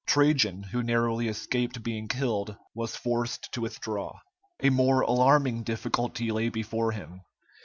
Trajan, who narrowly escaped being killed, was forced to withdraw. A more alarming difficulty lay before him.